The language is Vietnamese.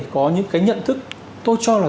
có những cái nhận thức tôi cho là